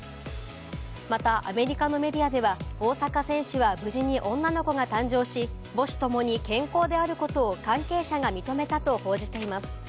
またアメリカのメディアでは、大坂選手は無事に女の子が誕生し、母子ともに健康であることを関係者が認めたと報じています。